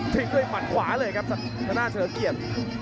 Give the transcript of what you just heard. ทิ้งด้วยมันขวาเลยครับชนะเชิงเกียรติ